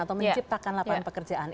atau menciptakan lapangan pekerjaan